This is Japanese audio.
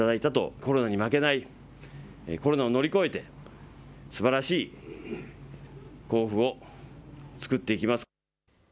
コロナに負けない、コロナを乗り越えて、すばらしい甲府をつくっていきます。